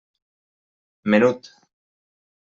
Menut.